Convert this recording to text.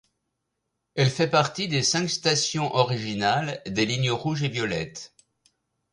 Elle fait partie des cinq stations originales des lignes rouge et violette.